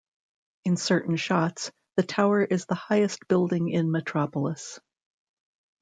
In certain shots, the tower is the highest building in Metropolis.